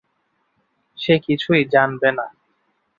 সে কিছুই জানবে না।